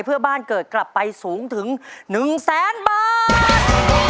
เพื่อบ้านเกิดกลับไปสูงถึง๑แสนบาท